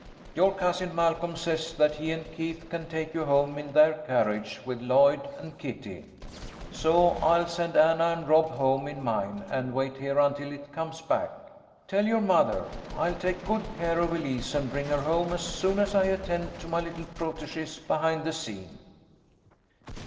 Your cousin Malcolm says that he and Keith can take you home in their carriage with Lloyd and Kitty. So I'll send Anna and Rob home in mine and wait here until it comes back. Tell your mother I'll take good care of Elise and bring her home as soon as I attend to my little protege's behind the scene."